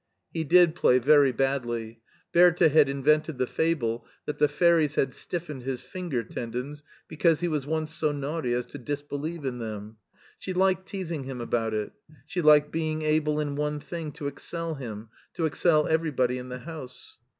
He did play very badly. Bertha had invented the fable that the fairies had stiffened his finger tendons because he was once so naughty as to disbelieve in them. She liked teasing him Bhout it. She liked being able in one thing to excel him, to excel everybody in the house.